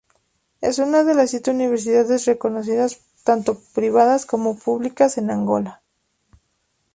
Es una de las siete universidades reconocidas, tanto privadas como públicas, en Angola.